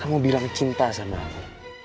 kamu bilang cinta sama aku